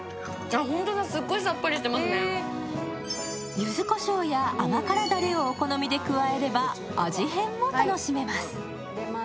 ゆずこしょうや甘辛だれをお好みで加えれば、味変も楽しめます。